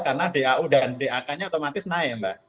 karena dau dan dak nya otomatis naik mbak